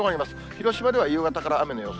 広島では夕方から雨の予想。